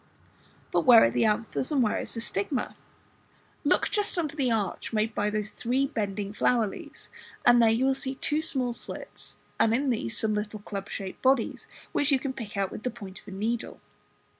But where are the anthers, and where is the stigma? Look just under the arch made by those three bending flower leaves, and there you will see two small slits, and in these some little club shaped bodies, which you can pick out with the point of a needle.